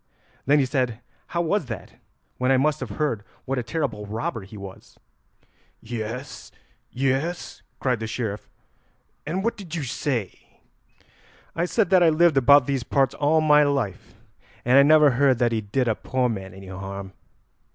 Then he said how was that when I must have heard what a terrible robber he was." "Yes, yes," cried the Sheriff, "and what did you say." "I said that I had lived about these parts all my life and I never heard that he did a poor man any harm.